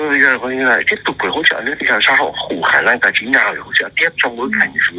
bây giờ tiếp tục phải hỗ trợ nữa thì làm sao họ khủ khả năng tài chính nào để hỗ trợ tiếp trong bước hành hỗ trợ lãi suất